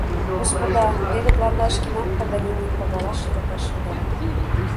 — Господа, теве тыланда шкенан Паганини, пагалаш, йӧраташ йодам.